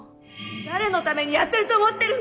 誰のためにやってると思ってるの！